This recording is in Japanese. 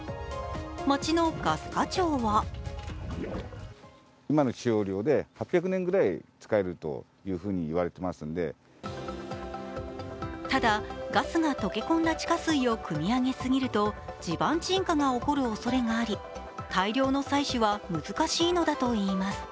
町のガス課長はただ、ガスが溶け込んだ地下水をくみ上げすぎると地盤沈下が起こるおそれがあり大量の採取は難しいのだといいます。